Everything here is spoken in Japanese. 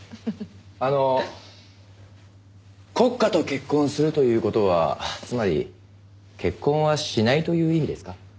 あの国家と結婚するという事はつまり結婚はしないという意味ですか？